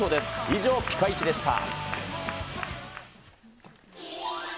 以上、ピカイチでした。